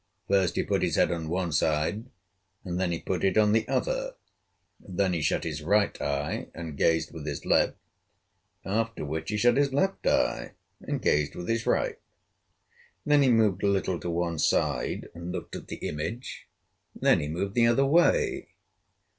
First he put his head on one side, and then he put it on the other; then he shut his right eye and gazed with his left, after which he shut his left eye and gazed with his right. Then he moved a little to one side and looked at the image, then he moved the other way.